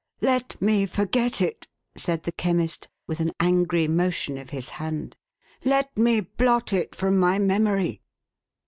11 " Let me forget it,11 said the Chemist, with an angry motion of his hand. " Let me blot it from my memory